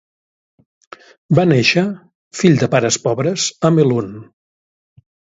Va néixer, fill de pares pobres, a Melun.